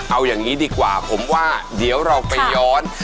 เอาอย่างนี้ดีกว่าผมว่าเดี๋ยวเราไปย้อน